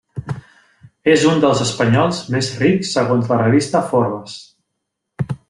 És un dels espanyols més rics segons la revista Forbes.